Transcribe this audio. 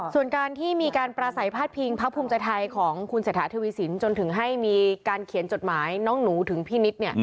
ส่วนการที่มีการปราศัยพาดพิงพักภูมิใจไทยของคุณเศรษฐาทวีสินจนถึงให้มีการเขียนจดหมายน้องหนูถึงพี่นิด